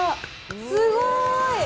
すごい。